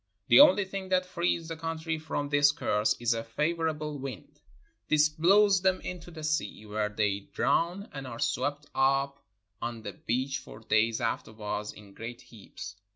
The only thing that frees the country from this curse is a favor able wind; this blows them into the sea, where they drown and are swept up on the beach for days after wards in great heaps.